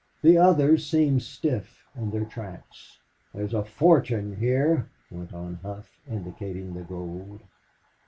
The others seemed stiff in their tracks. "There's a fortune here," went on Hough, indicating the gold.